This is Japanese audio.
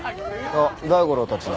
あっ大五郎たちだ。